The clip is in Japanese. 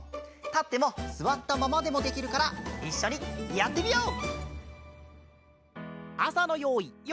たってもすわったままでもできるからいっしょにやってみよう！